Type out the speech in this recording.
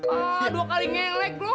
aak dua kali ngelek lu